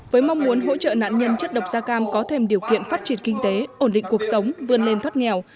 với mong muốn hỗ trợ nạn nhân chất độc da cam có thêm điều kiện phát triển kinh tế ổn định cuộc sống vươn lên thoát nghèo